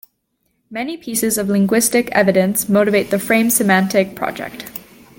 Many pieces of linguistic evidence motivate the frame-semantic project.